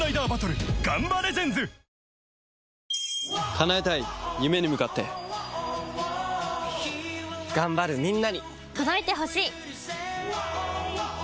叶えたい夢に向かって頑張るみんなに届いてほしい！